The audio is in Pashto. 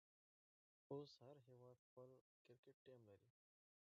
اوس هر هيواد خپل کرکټ ټيم لري.